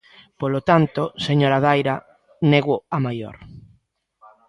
Polo tanto, señora Daira, nego a maior.